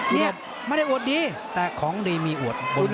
นี่ไม่ได้อวดดีแต่ของดีมีอวดบนมีดี